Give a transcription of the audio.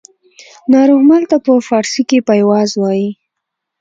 ناروغمل ته په پاړسو پایواز وايي